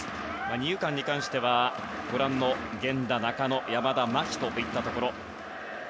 二遊間に関しては、源田、中野山田、牧といったところ。